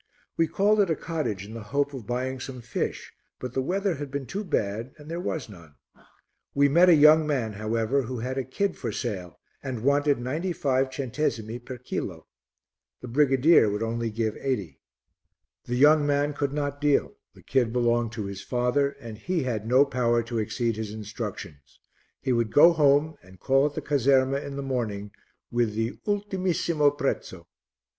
We called at a cottage in the hope of buying some fish, but the weather had been too bad and there was none. We met a young man, however, who had a kid for sale and wanted 95 centesimi per kilo; the brigadier would only give 80. The young man could not deal; the kid belonged to his father, and he had no power to exceed his instructions; he would go home and call at the caserma in the morning with the ultimissimo prezzo.